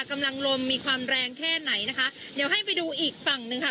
กำลังลมมีความแรงแค่ไหนนะคะเดี๋ยวให้ไปดูอีกฝั่งหนึ่งค่ะ